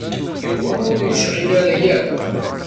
Yuba ur yecɣil ara akk.